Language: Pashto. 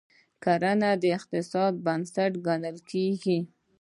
کرنه د اقتصاد بنسټ ګڼل کیږي.